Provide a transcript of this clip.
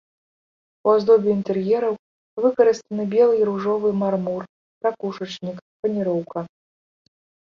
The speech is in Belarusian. У аздобе інтэр'ераў выкарыстаны белы і ружовы мармур, ракушачнік, фанероўка.